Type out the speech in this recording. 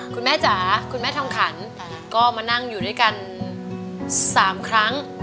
จ๋าคุณแม่ทองขันก็มานั่งอยู่ด้วยกัน๓ครั้ง